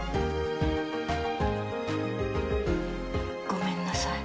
ごめんなさい。